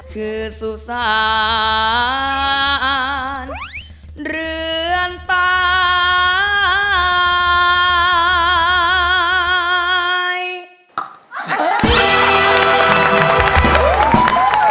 คือสุสานเรือนตาย